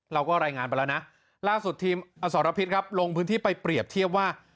เราก็รายงานไปแล้วนะล่าสุดทีมอสรพิษครับลงพื้นที่ไปเปรียบเทียบว่า